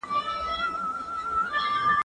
هغه وويل چي لوښي وچول مهم دي؟